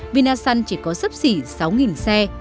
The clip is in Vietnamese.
vinasun chỉ có sấp xỉ sáu xe